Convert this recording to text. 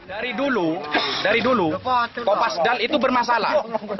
dari dulu dari dulu kopasdal itu bermasalah